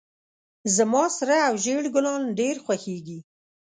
زما سره او زیړ ګلان ډیر خوښیږي